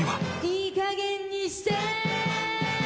「いいかげんにして」